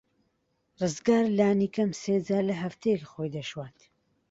ڕزگار لانی کەم سێ جار لە هەفتەیەک خۆی دەشوات.